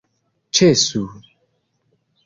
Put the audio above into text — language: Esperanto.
ĉesu